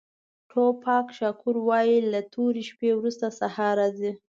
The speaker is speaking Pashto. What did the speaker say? ټوپاک شاکور وایي له تورې شپې وروسته سهار راځي.